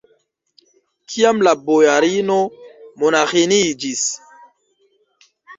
Kiam la bojarino monaĥiniĝis?